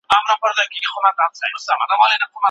دولت باید د قحطۍ مخنیوی وکړي.